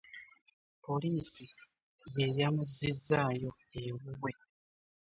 Poliisi ye yamuzzizzaayo ewuwe.